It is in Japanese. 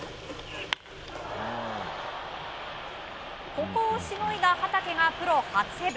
ここをしのいだ畠がプロ初セーブ。